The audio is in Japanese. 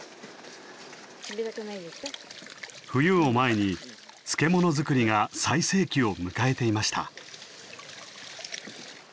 冬を前に漬物作りが最盛期を迎えていました。